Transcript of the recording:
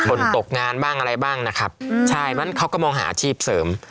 ตกงานบ้างอะไรบ้างนะครับใช่เพราะฉะนั้นเขาก็มองหาอาชีพเสริม